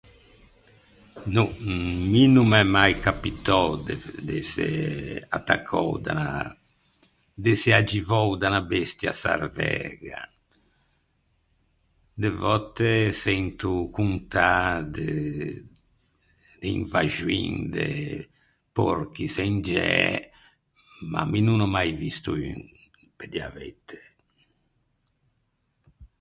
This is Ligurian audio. No, mi no m’é mai capitou de d’ëse attaccou da unna, d’ëse aggivou da unna bestia sarvæga. De vòtte sento contâ de de invaxoin de pòrchi çengiæ, ma mi no n’ò mai visto un, pe dî a veitæ.